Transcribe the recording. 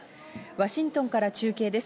ワシントンから中継です。